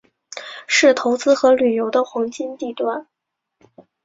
是投资和旅游的黄金地段。